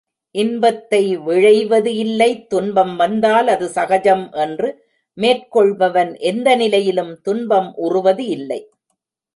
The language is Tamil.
இன்பத்தை விழைவது இல்லை துன்பம் வந்தால் அது சகஜம் என்று மேற்கொள்பவன் எந்த நிலையிலும் துன்பம் உறுவது இல்லை.